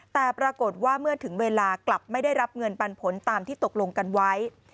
แต่ปรากฏว่าเมื่อถึงเวลากลับไม่ได้รับเงินปันผลตามที่ตกลงกันไว้